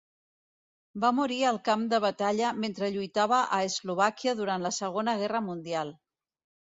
Va morir al camp de batalla mentre lluitava a Eslovàquia durant la Segona Guerra Mundial.